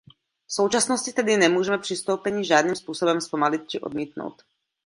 V současnosti tedy nemůžeme přistoupení žádným způsobem zpomalit či odmítnout.